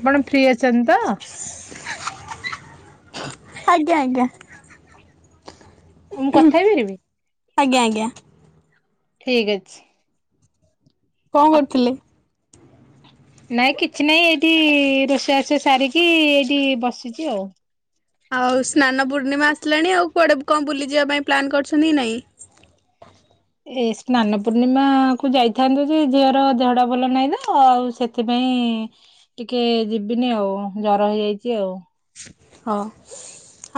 ଆପଣ ଫ୍ରି ଅଛନ୍ତି ତ? ଆଜ୍ଞା ଆଜ୍ଞା [unintelligible] ମୁଁ କଥା ହେଇପାରିବି ଆଜ୍ଞା ଆଜ୍ଞା। ଠିକ ଅଛି। କଣ କରୁଥିଲେ? ନାଇଁ କିଛି ନାହିଁ ଏଇଠି ରୋଷେଇ ଆଆ ସାରିକି ଏଇଠି ବସିଛି ଆଉ। ଆଉ ସ୍ନାନ ପୂର୍ଣ୍ଣିମା ଆସିଲାଣି ଆଉ କୁଆଡ଼େ କଣ ବୁଲିଯିବା ପାଇଁ ପ୍ଲାନ୍ କରିୁଛନ୍ତି କି ନାଇଁ? ଏ ସ୍ନାନ ପୂର୍ଣ୍ଣିମା କୁ ଯାଇଥାନ୍ତୁ ଯେ ଝିଅର ଦେହଟା ଭଲ ନାହିଁ ନା ସେ ସେଥିପାଇଁ ଟିକେ ଯିବିନି ଆଉ ଜର ହେଇଯାଇଛି ଆଉ। ହଁ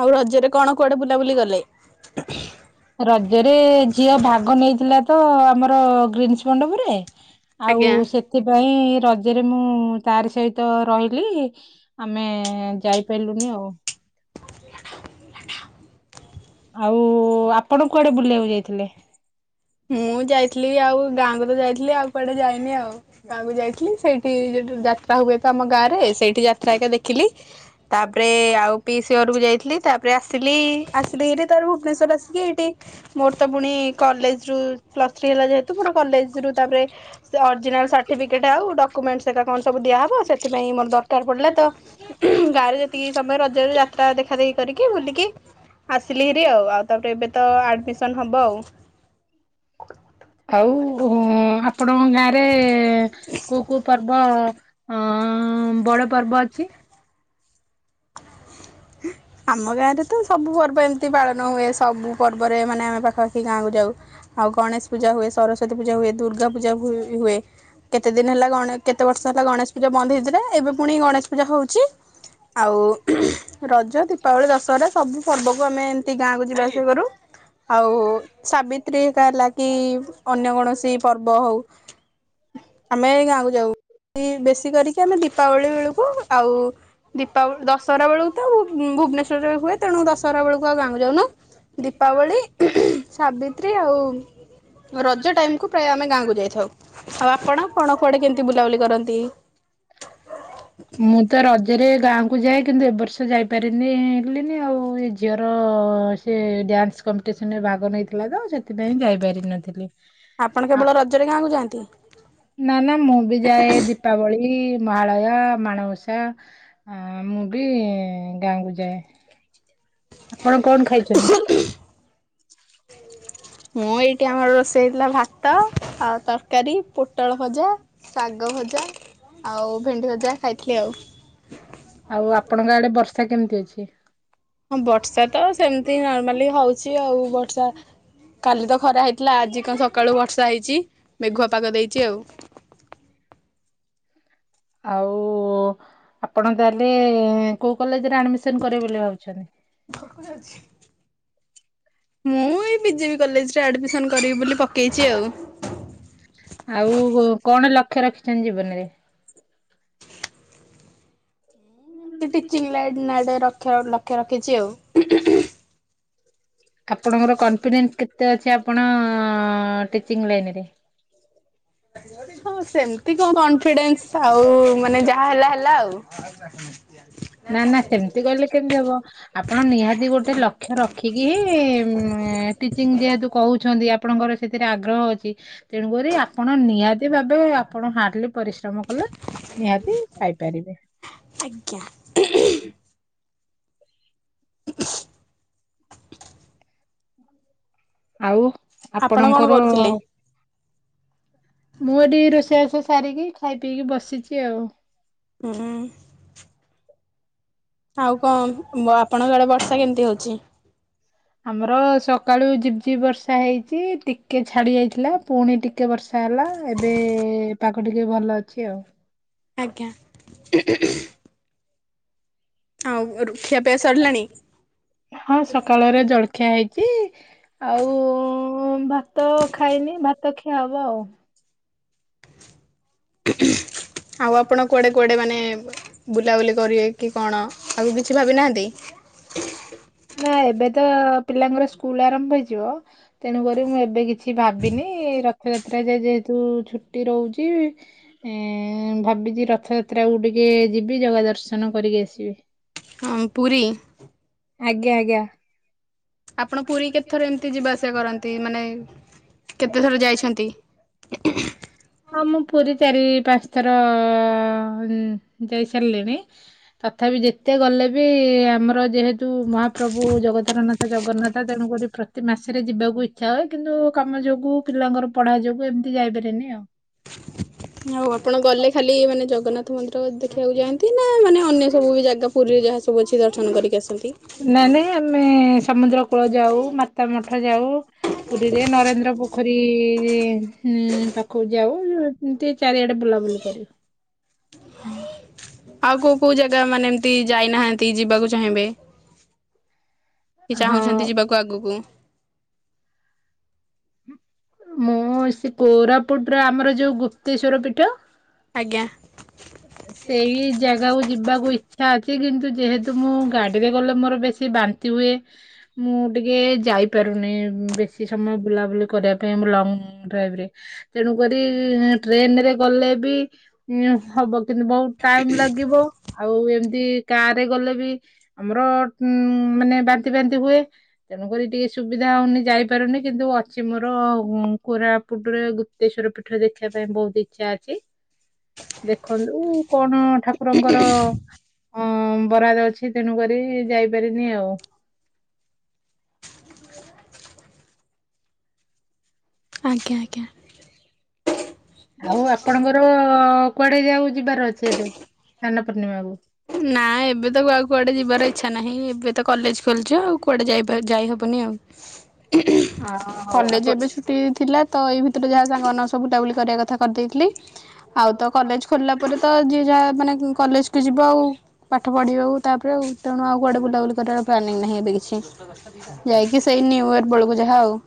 ଆଉ ରଜରେ କଣ କୁଆଡ଼େ ବୁଲାବୁଲି କଲେ? ରଜରେ ଝିଅ ଭାଗ ନେଇଥିଲା ତ ଆମର ଗ୍ରୀନ୍ସ ମଣ୍ଡପରେ। ଆଉ ଆଜ୍ଞା। ସେଥିପାଇଁ ରଜରେ ମୁଁ ତାରି ସହିତ ରହିଲି ଆମେ ଯାଇପାରିଲୁନି ଆଉ। [unintelligible] ଆଉ ଆପଣ କୁଆଡେ ବୁଲିବାକୁ ଯାଇଥିଲେ? ମୁଁ ଯାଇଥିଲି ଆଉ ଗାଁକୁ ତ ଯାଇଥିଲି ଆଉ କୁଆଡେ ଯାଇନି ଆଉ। ଗାଁକୁ ଯାଇଥିଲି ସେଇଠି ଯଠି ଯାତ୍ରା ହୁଏ ତ ଆମ ଗାଁ ରେ ସେଇଠି ଯାତ୍ରା ଏକା ଦେଖିଲି। ତାପରେ ଆଉ ପିସି ଘରକୁ ଯାଇଥିଲି ତାପରେ ଆସିଲି ଆସିଲରି ତର ଭୁବନେଶ୍ଵର ଆସିକି ଏଇଠି ମୋର ତ ପୁଣି କଲେଜ ଯୋଉ ପ୍ଲସଥ୍ରି ହେଲା ଯେହେତୁ ମୋର କଲେଜ ରୁ ତାପରେ ଓରଗଜିନାଲ ସାଠିପିକ୍ ଇଟା ଆଉ ଡକ୍ୟୁମେଣ୍ଟସ୍ ଏରା କଣ ସବୁ ଦିଆହବ ସେଥିପାଏ ପାଇଁ ମୋର ଦରକାର୍ ପଡ଼ିଲା ତ ଗାଁରେ ଯେତିକି ସମୟ ରଜରୁ ଯାତ୍ରା ଦେଖା ଦେେଖି କରିକି ବୁଲିକି ଆସିଲି ହେରି ଆଉ ଆଉ ତାପରେ ଏବେ ତ ଆଡମିସନ ହବ ଆଉ। [unintelligible] ଆଉ ଆପଣଙ୍କ ଗାଁରେ କୋଉ କୋଉ ପର୍ବ ହଁ ବଡ ପର୍ବ ଅଛି। ଆମ ଗାଁ ରେ ତ ସବୁ ପର୍ବ ଏମିତି ପାଳ ହୁଏ ସବୁ ପର୍ବରେ ମାନେ ଆମେ ପାଖାପାଖି ଗାଁକୁାଉ ଆଉ ଗଣେଶ ପୂଜା ହୁଏ ସରସ୍ୱତୀ ପୂଜା ହୁଏ ଦୁର୍ଗା ପୂଜା ହୁଏ କେତେ ଦିନ ହେଲା କେତେ ବର୍ଷ ହେଲା ଗଣେଶ ପୂଜା ବନ୍ଦ ହେଇଥିଲା ଏବେ ପୁଣି ଗଣେଶ ପୂଜା ହେଉଛି ଆଉ ରଜ ଦୀପାବଳି ଦଶହରା ସବୁ ପର୍ବକୁ ଆମେ ଏମିତି ଗାଁକୁ ଯିବା ଆସିବା କରୁ। ଆଉ ସାବିତ୍ରୀ ହେଲା କି ଅନ୍ୟ କୌଣସି ପର୍ବ ହେଉ ଆମେ ଗାଁକୁ ଯାଉ ବେଶୀ କରିକି ଆମେ ଦୀପାବଳି ବେଳକୁ ଆଉ ଦୀପାବଳି ଦଶହରା ବେଳକୁ ତ ଭୁବନେଶ୍ଵରରେ ହୁଏ ତେଣୁ ଦଶହରା ବେଳକୁ ଆଉ ଗାଁକୁ ଯାଉନୁ। ଦୀପାବଳି ସାବିତ୍ରୀ ଆଉ ରଜ ଟାଇମ୍ ପ୍ରାୟ ଆମେ ଗାଁକୁ ଯାଇଥାଉ ଆଉ ଆପଣ କଣ କୁଆଡ଼େ କେମିତି ବୁଲାବୁଲି କରନ୍ତି? ମୁଁ ତ ରଜରେ ଗାଁ କୁ ଯାଏ କିନ୍ତୁ ଏବ ବର୍ଷ ଯାଇପାରିନିି ଆଉ ଏ ଝିଅର ସେ ଡ୍ୟାନ୍ସ କମ୍ପିଟିସନରେ ଭାଗ ନେଇଥିଲା ତ ସେଥିପାଇଁଁ ଯାଇପାରିନଥିଲି। ଆପଣ କେବଳ ରଜରେ ଗାଁକୁ ଯାଆନ୍ତି? ନା ନା ମୁଁ ବି ଯାଏ ଦୀପାବଳି ମହାଳୟା ମାଣବସା ଆ ମୁଁ ବି ଗାଁକୁୁ ଯାଏ। ଆପଣ କଣ ଖାଇଛନ୍ତି? ମୁଁ ଏଇଠି ଆମର ରୋଷେଇ ହେଇଥିଲା ଭାତ ଆଉ ତରକାରୀ ପୋଟଳ ଭଜା ଶାଗ ଭଜା ଆଉ ଭେଣ୍ଡି ଭଜା ଖାଇଥିଲି ଆଉ। ଆଉ ଆପଣଙ୍କ ଆଡେ ବର୍ଷା କେମିତି ଅଛି? ହଁ ବର୍ଷା ତ ସେମିତି ନର୍ମାଲି ହଉଛି ଆଉ ବର୍ଷା କାଲି ତ ଖରା ହେଇଥିଲା ଆଜି କଣ ସକାଳୁ ବର୍ଷା ହେଇଛି ମେଘୁଆ ପାଗ ଦେଇଛି ଆଉ। ଆଉ ଆପଣ ତାହେଲେ କୋଉ କଲେଜରେ ଆଡ଼ମିସନ୍ କରିବେ ବୋଲି ଭାବୁଛନ୍ତି? ମୁଁ ଏଇ ବିଜେପି କଲେଜ ରେ ଆଡମିଶନ୍ କରିବି ବୋଲି ପକ କେଇଚି ଆଉ। ଆଉ କଣ ଲକ୍ଷ୍ୟ ରଖିଛନ୍ତି ଜୀବନରେ? ଏମତି ଟିଚିଂ ଲାଇନ [unintelligible] ଲକ୍ଷ ରଖିଛି ଆଉ ଆପଣଙ୍କର କନଫିଡେଣ୍ଟ କେତେ ଅଛି ଆପଣ ଟିଚିଂ ଲାଇନରେ। ହଁ ସେମିତି କଣ କନଫିଡେନ୍ସ ଆଉ ମାନେ ଯାହାହେଲା ହେଲା ଆଉ। [inaudible] ନା ନା ସେମିତି କହିଲେ କେମିତି ହବ ଆପଣ ନିହାତି ଗୋ ଟେ ଲକ୍ଷ୍ୟ ରଖିକି ହିଁ ଟିଚିଂ ଯେହେତୁ କହୁଛନ୍ତି ଆପଣଙ୍କର ସେଥିରେ ଆଗ୍ରହ ଅଛି। ତେଣୁକରି ଆପଣ ନିହାତି ଭାବେ ଆପଣ ହାଡ୍ଲି। ପରିଶ୍ରମ କଲେ ନିହାତି ପାଇପାରିବେ। ଆଜ୍ଞା। [inaudible] [inaudible] ଆଉ ଆପଣ କଣ ଆପଣଙ୍କର। କରୁଥିଲେ? ମୁଁ ଏଠି ରୋଷେଇ ବାସ ସାରିକି ଖାଇ ପିଇକି ବସିଛି ଆଉ। ହୁଁ। ଆଉ କଣ ମୋ ଆପଣଙ୍କ ଆଡେ ବର୍ଷା କେମିତି ହଉଛି? ଆମର ସକାଳୁ ଝିିପ୍ ଝିିପ୍ ବର୍ଷା ହେଇଛିି ଟିକେ ଛାଡି ଯାଇଥିଲା ପୁଣି ଟି ଟିକେ ବର୍ଷା ହେଲା ଏବେ ପାଗ ଟିକେ ଭଲ ଅଛି ଆଉ। ଆଜ୍ଞା। ଆଉ ରୁ ଖିଆ ପିଆ ସରିଲାଣି। ଳରେ ଜଳ ଖିଆ ହେଇଛି ଆଉ ଭାତ ଖାଇନି ଭାତ ଖିଆ ହବ ଆଉ। ଆଉ ଆପଣ କୁଆଡ଼େ କୁଆଡ଼େ ମାନେ ବୁଲାବୁଲି କରିବେ କି କଣ? ଆଉ କିଛି ଭାବିନାହାନ୍ତି? ନା ଏବେ ତ ପିଲାଙ୍କର ସ୍କୁଲ ଆରମ୍ଭ ହେଇଯିବ। ତେଣୁକରି ମୁଁ ଏବେ କିଛି ଭାବିନି ରଥଯାତ୍ରା ରେ ଯେ ଯେହେତୁ ଛୁଟି ରହୁଛି। ହେଁ ଭାବିଛି ରଥଯାତ୍ରାକୁ ଟିକେ ଯିବି ଜଗା ଦର୍ଶନ କରିକି ଆସିବି। ହଁ ପୁରୀ। ଆଜ୍ଞା ଆଜ୍ଞା। ଆପଣ ପୁରୀ କେତେଥର ଏମିତି ଯିବା ଆସିବା କରନ୍ତି ମାନେ। କେତେ ଥର ଯାଇଛନ୍ତି। ହଁ ମୁଁ ପୁରୀ ଚାରି ପାଞ୍ଚ ଥର ଯାଇ ସାରିଲିଣି। ତଥାପି ଯେତେ ଗଲେ ବି ଆମର ଯେହେତୁ ମହାପ୍ରଭୁ ଜଗତରନାଥ। ଜଗନ୍ନାଥ ତେଣୁ କରି ପ୍ରତି ମାସରେ ଯିବାକୁ ଇଚ୍ଛା ହୁଏ କିନ୍ତୁ କାମ ଯୋଗୁ। ପିଲାଙ୍କର ପଢା ଯୋଗୁ ଏମିତି ଯାଇପାରେନି ଆଉ। ଆଉ ଆପଣ ଗଲେ ଖାଲି ମାନେ ଜଗନ୍ନାଥ ମନ୍ଦିର ଦେଖିବାକୁ ଯାଆନ୍ତି ନା ମାନେ ଅନ୍ୟ ସବୁ ବି ଜାଗା। ପୁରୀରେ ଯାହା ସବୁ ଅଛି ଦର୍ଶନ କରିକି ଆସନ୍ତି। ନାଇଁ ଆମେ ନାଇଁ ସମୁଦ୍ର କୂଳ ଯାଉ ମାତା ମଠ ଯାଉ। ପୁରୀରେ ନରେନ୍ଦ୍ର ପୋଖରୀ ହିଁ ପାଖକୁ ଯାଉ। ଏମିତି ଚାରିଆଡେ ବୁଲାବୁଲି କରୁ। ଆଉ କେଉଁ କେଉଁ ଜାଗା ମାନେ ଏମିତି ଯାଇନାହାନ୍ତି ଯିବାକୁ ଚାହିଁବେ। କି ହଁ। ଚାହୁଁଛନ୍ତି ଯିବାକୁ ଆଗକୁ। ମୁଁ ସେ କୋରାପୁଟର ଆମର ଯୋଉ ଗୁପ୍ତେଶ୍ଵର ପୀଠ। ଆଜ୍ଞା। ସେଇ ଜାଗାକୁ ଯିବାକୁ ଇଚ୍ଛା ଅଛି କିନ୍ତୁ ଯେହେତୁ। ତୁ ମୁଁ ଗାଡ଼ିରେ ଗଲେ ମୋର ବେଶୀ ବାନ୍ତି ହୁଏ। ମୁଁ ଟିକେ ଯାଇପାରୁନି ବେଶି ସମୟ ବୁଲାବୁଲି କରିବା ପାଇଁ ଲଙ୍ଗ। ଡ୍ରାଇଭରେ ତେଣୁକରି ହେଁ ଟ୍ରେନରେ ଗଲେ ବି। ହବ କିନ୍ତୁ ବହୁତ ଟାଇମ ଲାଗିବ। ଆଉ ଏମିତି କା ରେ ଗଲେ ବି ଆମର ଉଁ ମାନେ ବାନ୍ତି ଫାନ୍ତି ହୁଏ। ତେଣୁକରି ଟିକେ ସୁବିଧା ହଉନି ଯାଇପାରୁନି କିନ୍ତୁ ଅଛି ମୋର କୋରାପୁଟରେ ଗୁ ପ୍ତେଶ୍ୱର ପୀଠରେ ଦେଖିବା ପାଇଁ ବହୁତ ଇଚ୍ଛା ଅଛି। ଦେଖନ୍ତୁ କଣ ଠାକୁରଙ୍କର। ହଁ ବରାଦ ଅଛି ତେଣୁକରି ଯାଇପାରିନି ଆଉ। ଆଜ୍ଞା ଆଜ୍ଞା। ଆଉ ଆପଣଙ୍କର କୁଆଡେ ଯାଉ ଯିବାର ଅଛି ଏଠ ସ୍ନାନ ପୂର୍ଣ୍ଣିମାକୁୁ। ନା ଏବେ ତ କୁହାକୁ କୁଆଡେ ଯିବାର ଇଛା ନାହିଁ ଏବେ ତ କଲେଜ ଖୋଲିଛି ଆଉ କୁଆଡେ ଯ ଯାଇହବନି ଆଉ। [inaudible] ହଁ ହଉ କଲେଜ ଆପଣ ଏବେ ଛୁଟି ଥିଲା। ତ ଏଇ ଭିତରେ ଯାହା ସାଙ୍ଗମାନ ସହ ବୁଲା ବୁଲି କରିବା କଥା କରିଦେଇଥିଲି। ଆଉ ତ କଲେଜ ଖୋଲିଲା ପରେ ତ, ଯିଏ ଯାହା ମାନେ କଲେଜକୁ ଯିବ ଆଉ। ପାଠ ପଢ଼ିବାକୁ ତାପରେ ଆଉ ତେଣୁ ଆଉ କୁଆଡେ ବୁଲାବୁଲି କରିବାର ପ୍ଲାନିଂ ନାହିଁ ଏବେ କିଛି। ଯାଇକି ସେଇ ନିୟେର୍ ବେଳକୁ ଯାହା ଆଉ।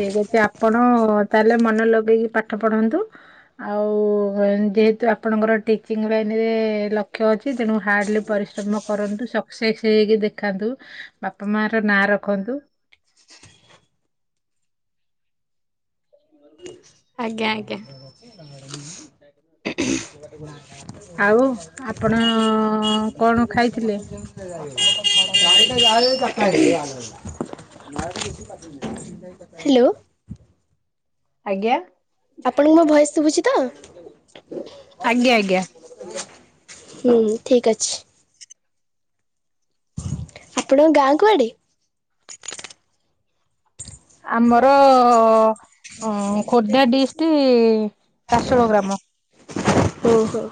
ଠିକ ଅଛି ଆପଣ ତାହେଲେ ମନେ ଲଗେଇକି ପାଠ ପଢନ୍ତୁ। ଆଉ ଯେହେତୁ ଆପଣଙ୍କର ଟିଚିଂ ଲାଇନ୍ ରେ ଲକ୍ଷ୍ୟ ଅଛି ତେଣୁ ହାର୍ଡ଼ଲି ପରିଶ୍ରମ କରନ୍ତୁ ସକ୍ସେସ୍। ହେଇକି ଦେଖାନ୍ତୁ, ବାପା ମାଆର ନାଁ ରଖନ୍ତୁ। ଆଜ୍ଞା ଆଜ୍ଞା। [inaudible] ଆଉ ଆପଣ କଣ ଖାଇଥିଲେ? [inaudible] [unintelligible] ଆଜ୍ଞା। ଆପଣଙ୍କୁ ମୋ ଭୟସ ଶୁଭୁଛି ତ? ଆଜ୍ଞା ଆଜ୍ଞା। ହୁଁ, ଠିକ ଅଛି। ଆପଣଙ୍କ ଗାଁ କୁଆଡେ? ଆମର ଖୋର୍ଦ୍ଧା ଡିଷ୍ଟ୍ରି ପାସଳ ଗ୍ରାମ। ଓ ହୋ।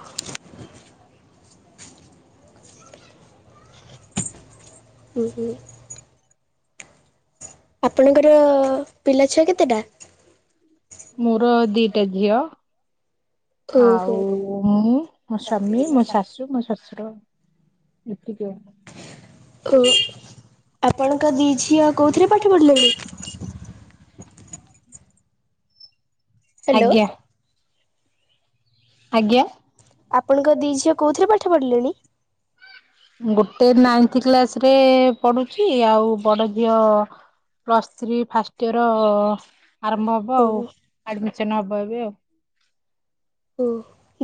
ହୁଁ ହୁଁ। ଆପଣଙ୍କର ପିଲାଛୁଆ କେତେଟା? ମୋର ଦିଟା ଝିଅ। ଆଉ ଓହୋ ମୁଁ, ମୋ ସ୍ବାମୀ, ମୋ ଶାଶୁ, ମୋ ଶ୍ୱଶୁର। ଏତିକି। ଓ ଆପଣଙ୍କ ଦି ଝିଅ କୋଉଥିରେ ପାଠ ପଢିଲେଣି? ହ୍ୟାଲୋ। ଆଜ୍ଞା। ଆଜ୍ଞା। ଆପଣଙ୍କ ଦି ଝିଅ କୋଉଥିରେ ପାଠ ପଢ଼ିଲେଣି? ଗୋଟେ ନାଇନ୍ଥ କ୍ଲାସ ରେ ପଢୁଛି ଆଉ ବଡ ଝିଅ ପ୍ଲସ୍ ଥ୍ରୀ ଫାଷ୍ଟ ଇୟର ଆରମ୍ଭ ହବ ଆଉ ଓହୋ ଆଡମିସନ ହବ ଏବେ ଆଉ। ଓ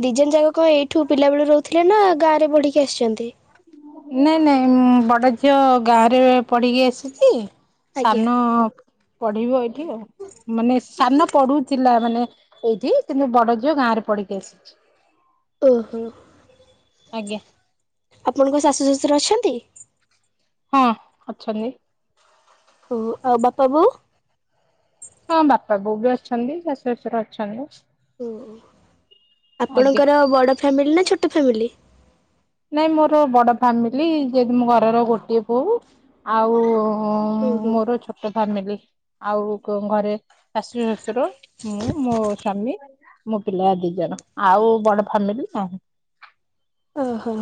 ଦି ଜନ୍ ଯାକ କଣ ଏଇଠୁ ପିଲା ବେଳୁ ରହୁଥିଲେ ନା ଗାଁ ରେ ପଢିକି ଆସିଛନ୍ତି? ନହିଁ ନାଇଁ, ବଡ଼ ଝିଅ ଗାଁରେ ପଢ଼ିକି ଆସିଛି। ଆଜ୍ଞା ସାନ ପଢିବ ଏଇଠି ଆଉ, ମାନେ ସାନ ପଢୁଥିଲା ମାନେ ଏଇଠି କିନ୍ତୁ ବଡ ଝିଅ ଗାଁରେ ପଢ଼ିକି ଆସିଛି। ଓହୋ। ଆଜ୍ଞା। ଆପଣଙ୍କ ଶାଶୁ ଶ୍ୱଶୁର ଅଛନ୍ତି? ହଁ ଅଛନ୍ତି। ଓ ଆଉ ବାପା ବୋଉ ହଁ ବାପା ବୋଉ ବି ଅଛନ୍ତି, ଶାଶୁ ଶ୍ୱଶୁର ଅଛନ୍ତି। ଓ ଆଜ୍ଞା ଆପଣଙ୍କର ବଡ ଫ୍ୟାମିଲି ନା ଛୋଟ ଫ୍ୟାମିଲି? ନାଇଁ ମୋର ବଡ ଫ୍ୟାମିଲି ଯେତ ମୋ ଘରର ଗୋଟିଏ ବୋଉ ଆଉ ଉଁ ଉଁ ଉଁ ଓହୋ ମୋର ଛୋ ଫାମିଲି ଆଉ ଘରେ ଶାଶୁ, ଶଶୁର, ମୁଁ, ମୋ ସ୍ଵାମୀ। ମୋ ପିଲା ଦି ଜଣ ଆଉ ବଡ ଫାମିଲି ନାହିଁ ଓହୋ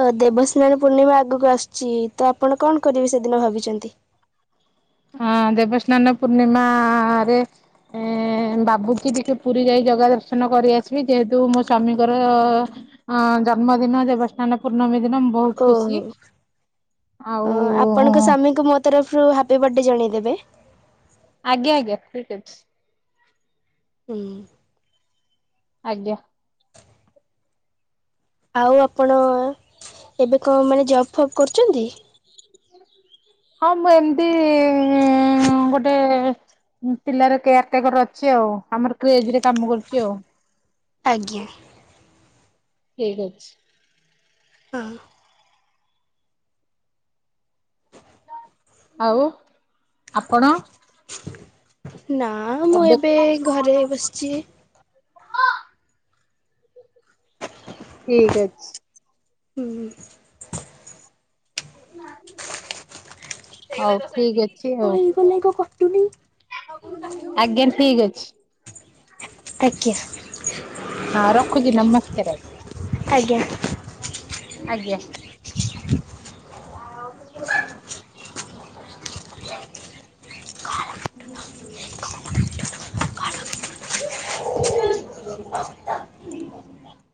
ଅ ଦେବସ୍ନାନ ପୂର୍ଣ୍ଣିମା ଆଗକୁ ଆସୁଛି ତ ଆପଣ କଣ କରିବେ ସେଦିନ ଭାବିଛନ୍ତି? ହଁ ଦେବସ୍ନାନ ପୂର୍ଣ୍ଣିମାରେ ଏଁ ବାବୁଚି ଟିକେ ପୁରୀ ଯାଇ ଜଗା ଦର୍ଶନ କରି ଆସିବି ଯେହେତୁ ମୋ ସ୍ଵାମୀଙ୍କର ଅ ଜନ୍ମଦିନ ଦେବଷ୍ନାନ ପୂର୍ଣ୍ଣମୀ ଦିନ ବହୁତ ଓହୋ ଖୁସି ଆପଣଙ୍କ ଆଉ ସ୍ୱାମୀଙ୍କୁ ମୋ ତରଫରୁ ହାପି ବଡେ ଜଣେଇଦେବେ। ଆଜ୍ଞା ଆଜ୍ଞା ଠିକ୍ ଅଛି। ଉଁ ହୁଁ ଆଜ୍ଞା ଆଉ ଆପଣ ଏବେ କଣ ମାନେ ଜବ୍ ଫବ୍ କରୁଛନ୍ତି? ହଁ ମୁଁ ଏମିତି ଗୋଟେ ପିଲାର କେୟାର ଟେକର ଅଛି ଆଉ ଆମର କ୍ରେଜରେ କାମ କରୁଛି ଆଉ। ଆଜ୍ଞା ଠିକ୍ ଅଛି ହଁ ଆଉ ଆପଣ? ନା ମୁଁ ଏବେ ଘରେଇ ବସିଛି। ଠିକ ଅଛି। ହୁଁ ହଉ ଠିକ ଅଛି ଆଉ। କ କଟୁନୀ [unintelligible] ଆଜ୍ଞା ଠିକ ଅଛି। ଆଜ୍ଞା ହଁ ରଖୁଛି ନମସ୍କାରେ। ଆଜ୍ଞା ଆଜ୍ଞା ଆଉ [inaudible] [inaudible]